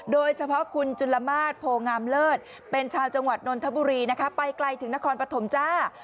โดยเฉพาะคุณจุลมาตรโพงามเลิศเป็นชาวจังหวัดนนทบุรีนะคะไปไกลถึงนครปฐมจ้า